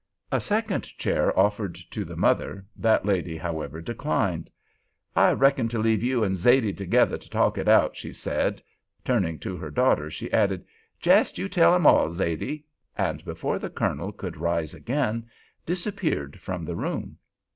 A second chair offered to the mother that lady, however, declined. "I reckon to leave you and Zaidee together to talk it out," she said; turning to her daughter, she added, "Jest you tell him all, Zaidee," and before the Colonel could rise again, disappeared from the room.